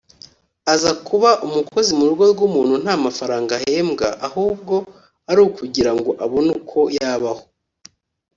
aza kuba umukozi mu rugo rw’umuntu nta mafaranga ahembwa ahubwo ari ukugira ngo abone uko yabaho